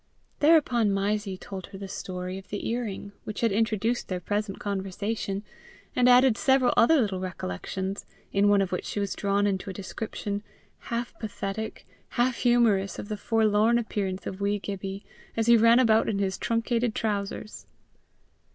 Thereupon Mysie told her the story of the ear ring, which had introduced their present conversation, and added several other little recollections, in one of which she was drawn into a description, half pathetic, half humorous, of the forlorn appearance of wee Gibbie, as he ran about in his truncated trousers.